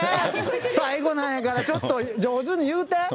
最後なんやから、ちょっと上手に言うて。